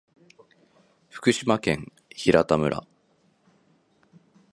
福島県平田村